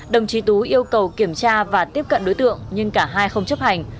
đồng chí tú yêu cầu kiểm tra và tiếp cận đối tượng nhưng cả hai không chấp hành